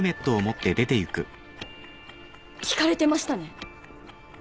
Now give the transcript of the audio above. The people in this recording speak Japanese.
聞かれてましたね。